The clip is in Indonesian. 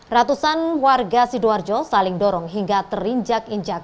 ratusan warga sidoarjo saling dorong hingga terinjak injak